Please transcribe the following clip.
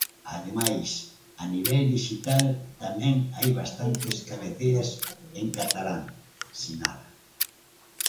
Ademais, a "nivel dixital tamén hai bastantes cabeceiras en catalán", sinala.